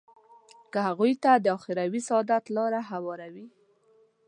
که هغوی ته د اخروي سعادت لاره هواروي.